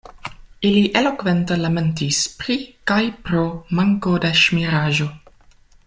Ili elokvente lamentis pri kaj pro manko de ŝmiraĵo.